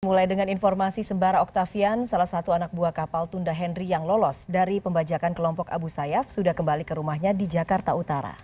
mulai dengan informasi sembara octavian salah satu anak buah kapal tunda henry yang lolos dari pembajakan kelompok abu sayyaf sudah kembali ke rumahnya di jakarta utara